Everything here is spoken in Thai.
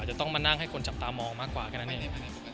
จะต้องมานั่งให้คนจับตามองมากกว่าแค่นั้นเอง